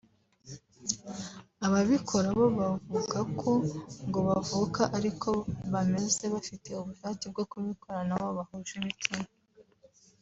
Ababikora bo bakavuga ko ngo bavuka ariko bameze bafite ubushake bwo kubikora n’abo bahuje ibitsina